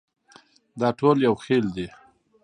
دا ټول یو خېل دي.